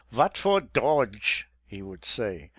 " Vat for doadge ?" he would say.